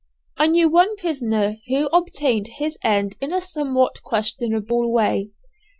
I knew one prisoner who obtained his end in a somewhat questionable way.